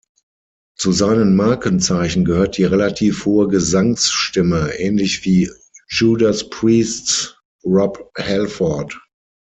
Zu seinen Markenzeichen gehört die relativ hohe Gesangsstimme, ähnlich wie Judas Priests Rob Halford.